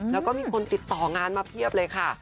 แล้วก็มีคนติดต่องานมาเพียบเลยค่ะ